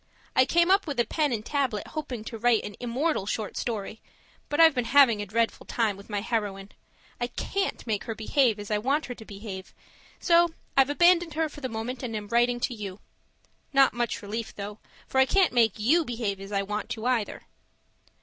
I came up with a pen and tablet hoping to write an immortal short story, but I've been having a dreadful time with my heroine I CAN'T make her behave as I want her to behave; so I've abandoned her for the moment, and am writing to you. (Not much relief though, for I can't make you behave as I want you to, either.)